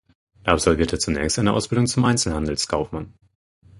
Er absolvierte zunächst eine Ausbildung zum Einzelhandelskaufmann.